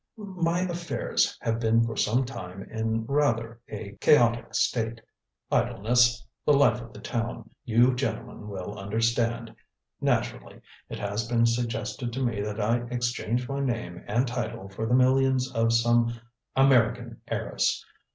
"My affairs have been for some time in rather a chaotic state. Idleness the life of the town you gentlemen will understand. Naturally, it has been suggested to me that I exchange my name and title for the millions of some American heiress.